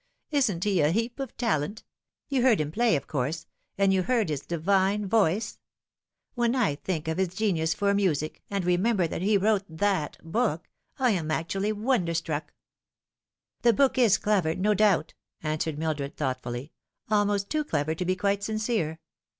" Isn't he a heap of talent ? You heard him play, of course, and you heard his divine voice ? When I think of his genius for music, and remember that he wrote that book, I am actually wonderstruck." " The book is clever, no doubt," answered Mildred thought fully, " almost too clever to be quite sincere.